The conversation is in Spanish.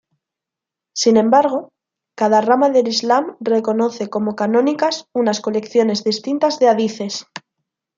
Sin embargo, cada rama del islam reconoce como canónicas unas colecciones distintas de hadices.